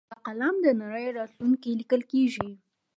په قلم د نړۍ راتلونکی لیکل کېږي.